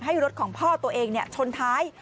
รถของพ่อตัวเองชนท้าย